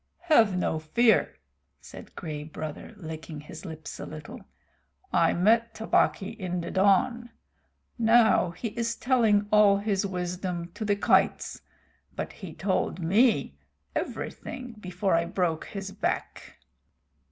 "Have no fear," said Gray Brother, licking his lips a little. "I met Tabaqui in the dawn. Now he is telling all his wisdom to the kites, but he told me everything before I broke his back.